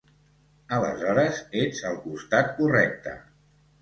Aleshores ets al costat correcte.